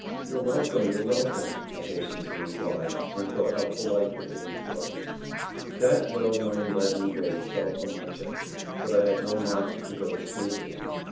"You're welcome; you're welcome," I hastened to reply, and thought how polite the police was. That well known leaden weight fell from my chest, but I had no mind to go to sleep again.